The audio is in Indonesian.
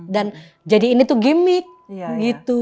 dan jadi ini tuh gimmick gitu